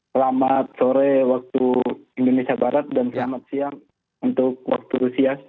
selamat sore waktu indonesia barat dan selamat siang untuk waktu rusia